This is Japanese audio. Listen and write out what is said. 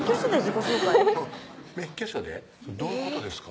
どういうことですか？